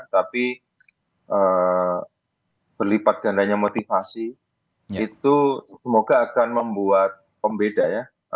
tapi berlipat gandanya motivasi itu semoga akan membuat pembeda ya